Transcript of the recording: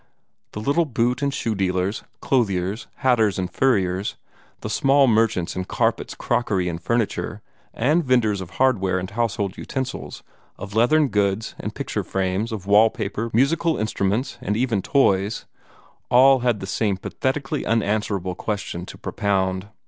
The little boot and shoe dealers, clothiers, hatters, and furriers, the small merchants in carpets, crockery, and furniture, the venders of hardware and household utensils, of leathern goods and picture frames, of wall paper, musical instruments, and even toys all had the same pathetically unanswerable question to propound.